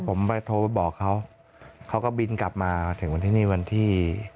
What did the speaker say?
ผมไปโทรไปบอกเขาเขาก็บินกลับมาถึงวันที่นี่วันที่